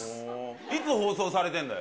いつ放送されてんだよ。